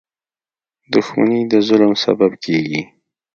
• دښمني د ظلم سبب کېږي.